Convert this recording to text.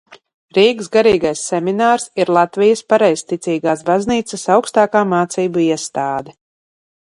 Rīgas Garīgais seminārs ir Latvijas Pareizticīgās baznīcas augstākā mācību iestāde.